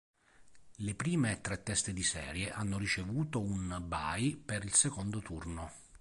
Le prime tre teste di serie hanno ricevuto un bye per il secondo turno.